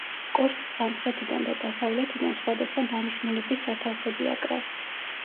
კოშკს სამხრეთიდან და დასავლეთიდან სხვადასხვა დანიშნულების სათავსები აკრავს.